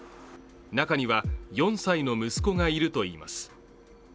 中には４歳の息子がいるといいます。